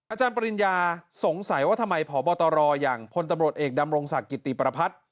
อาจารย์ปริญญาสงสัยว่าทำไมพบตรอย่างพลตำรวจเอกดำรงศักดิ์กิติประพัฒน์